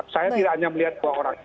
saya tidak hanya melihat dua orang